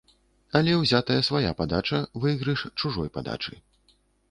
Але ўзятая свая падача, выйгрыш чужой падачы.